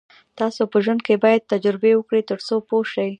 تاسو په ژوند کې باید تجربې وکړئ تر څو پوه شئ.